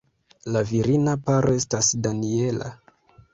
La virina paro estas Daniela.